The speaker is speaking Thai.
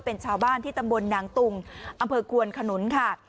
เป็นชาวบ้านที่ตำบลนางตุงอำเภอควนขนุนค่ะ